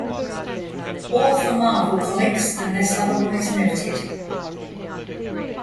All for Marvel Comics unless otherwise noted.